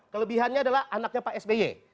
kelebihannya adalah anaknya pak sby